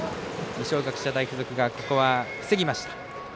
二松学舎大付属がここは防ぎました。